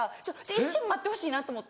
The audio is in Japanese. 一瞬待ってほしいなと思って。